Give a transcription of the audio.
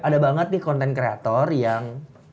ada banget nih konten kreator yang